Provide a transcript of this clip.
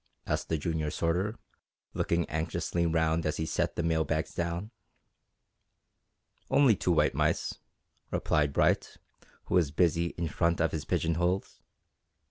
asked the junior sorter, looking anxiously round as he set the mail bags down. "Only two white mice," replied Bright, who was busy in front of his pigeon holes.